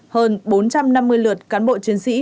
hơn bốn trăm năm mươi lượt cán bộ chiến sĩ